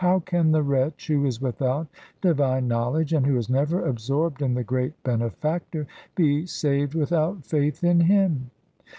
How can the wretch who is without divine knowledge and who is never absorbed in the great Benefactor, be saved without faith in Him